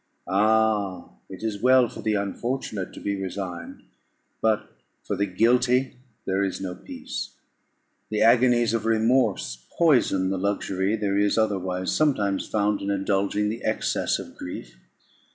Ah! it is well for the unfortunate to be resigned, but for the guilty there is no peace. The agonies of remorse poison the luxury there is otherwise sometimes found in indulging the excess of grief.